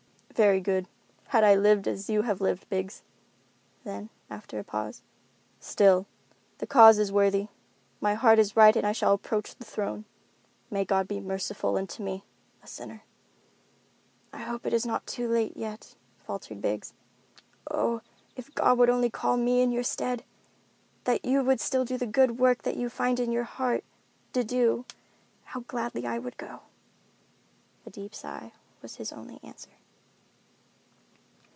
"Very good, had I lived as you have lived, Biggs." Then, after a pause, "Still, the cause is worthy, my heart is right and I shall approach the Throne. May God be merciful unto me, a sinner." "I hope it is not too late yet," faltered Biggs. "Oh, if God would only call me in your stead, that you might still do the good work that you find it in your heart to do, how gladly would I go." A deep sigh was his only answer.